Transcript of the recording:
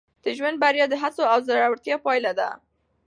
د ژوند بریا د هڅو او زړورتیا پایله ده.